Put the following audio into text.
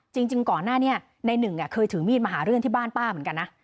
จริงก่อนหน้านี้ในหนึ่งเคยถือมีดมาหาเรื่องที่บ้านป้าเหมือนกันนะ